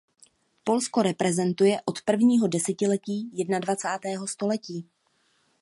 Polsko reprezentuje od prvního desetiletí jednadvacátého století.